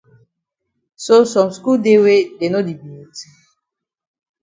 So some skul dey wey dey no di beat?